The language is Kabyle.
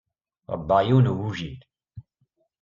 Ṛebbaɣ yiwen n ugujil.